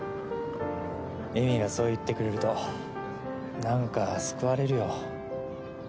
絵美がそう言ってくれると何か救われるよ。